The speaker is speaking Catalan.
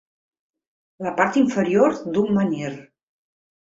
La part inferior d'un menhir.